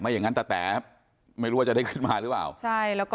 อย่างนั้นแต่ไม่รู้ว่าจะได้ขึ้นมาหรือเปล่า